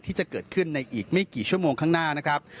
ที่จะเกิดขึ้นในอีกไม่กี่ชั่วโมงข้างหน้านะครับ